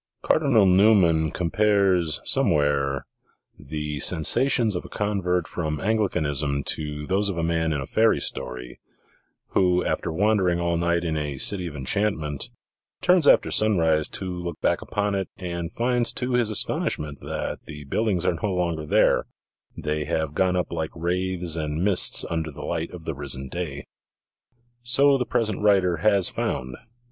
Cardinal Newman compares, somewhere, the sensations of a convert from Anglicanism to those of a man in a fairy story, who, after wandering all night in a city of enchant ment, turns after sunrise to look back upon it, and finds to his astonishment that the buildings are no longer there; they have gone up like wraiths and mists under the light of the risen day. So the pres ent writer has found.